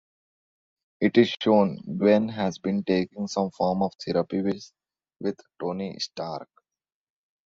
It is shown Gwen has been taking some form of therapy with Tony Stark.